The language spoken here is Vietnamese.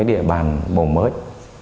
địa bàn bầu mới